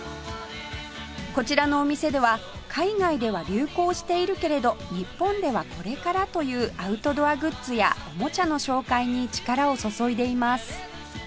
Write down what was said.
こちらのお店では海外では流行しているけれど日本ではこれからというアウトドアグッズやおもちゃの紹介に力を注いでいます